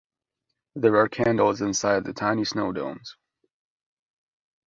There are candles Inside the tiny snow domes.